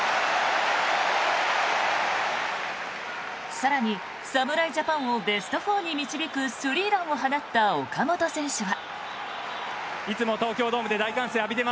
更に侍ジャパンをベスト４に導くスリーランを放った岡本選手は。